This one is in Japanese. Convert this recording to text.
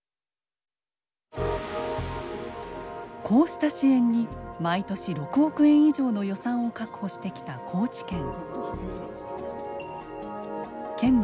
こうした支援に毎年６億円以上の予算を確保してきた高知県。